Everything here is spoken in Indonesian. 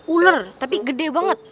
ular tapi gede banget